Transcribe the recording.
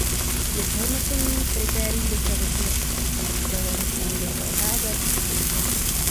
Je přehodnocení kritérií dostatečně pro řešení těchto otázek?